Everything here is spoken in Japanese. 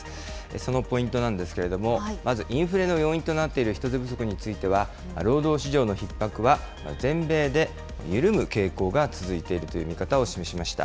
そのポイントなんですけれども、まずインフレの要因となっている人手不足については、労働市場のひっ迫は全米で緩む傾向が続いているという見方を示しました。